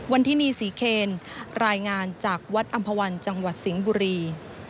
ทินีศรีเคนรายงานจากวัดอำภาวันจังหวัดสิงห์บุรี